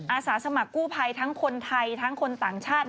อาสาสมัครกู้ภัยทั้งคนไทยทั้งคนต่างชาติ